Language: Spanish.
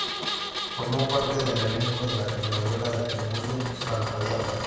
Formo parte del elenco de la telenovela de Telemundo, Santa diabla.